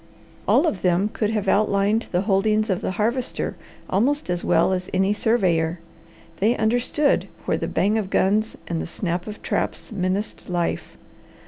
All of them could have outlined the holdings of the Harvester almost as well as any surveyor. They understood where the bang of guns and the snap of traps menaced life.